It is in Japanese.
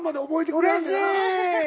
うれしい！